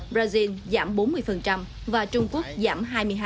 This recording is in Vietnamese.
brazil giảm bốn mươi và trung quốc giảm hai mươi hai